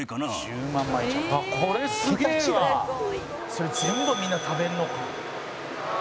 「それ全部みんな食べるのか」